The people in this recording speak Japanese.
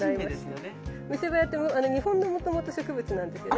ミセバヤって日本のもともと植物なんですよね。